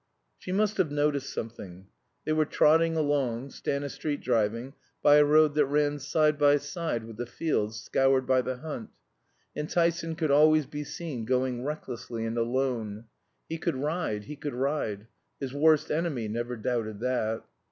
She must have noticed something. They were trotting along, Stanistreet driving, by a road that ran side by side with the fields scoured by the hunt, and Tyson could always be seen going recklessly and alone. He could ride, he could ride! His worst enemy never doubted that.